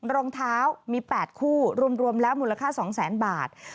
รองเท้ามี๘คู่รวมแล้วมูลค่า๒๐๐๐๐บาท